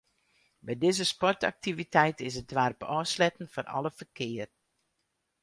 By dizze sportaktiviteit is it doarp ôfsletten foar alle ferkear.